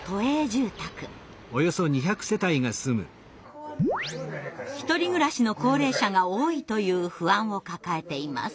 こちらは独り暮らしの高齢者が多いという不安を抱えています。